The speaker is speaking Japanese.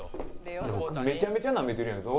めちゃめちゃなめてるやんか。